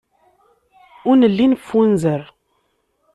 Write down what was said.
Ur nelli neffunzer.